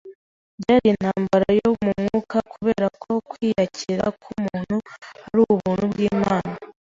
byari intambara yo mu mwuka kubera ko kwiyakira k’umuntu ari Ubuntu bw’Imana